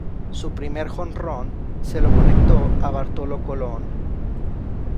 Su primer jonrón se lo conectó a Bartolo Colón.